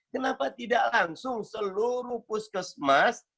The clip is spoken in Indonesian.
kenapa tidak langsung seluruh puskesmas